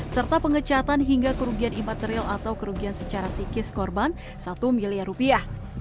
serta pengecatan hingga kerugian imaterial atau kerugian secara psikis korban satu miliar rupiah